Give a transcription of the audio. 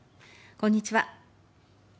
こんにちは。